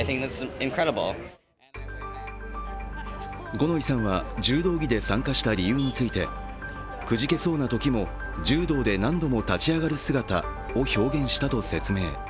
五ノ井さんは柔道着で参加した理由についてくじけそうなときも柔道で何度も立ち上がる姿を表現したと説明。